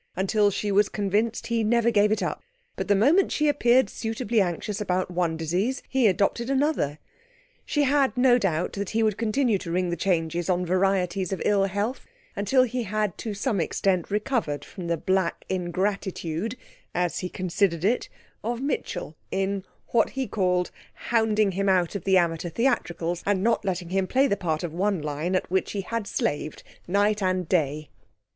Until she was convinced he never gave it up; but the moment she appeared suitably anxious about one disease he adopted another. She had no doubt that he would continue to ring the changes on varieties of ill health until he had to some extent recovered from the black ingratitude, as he considered it, of Mitchell, in (what he called) hounding him out of the amateur theatricals, and not letting him play the part of one line at which he had slaved night and day.